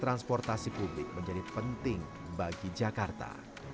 transportasi publik menjadi penting bagi jakarta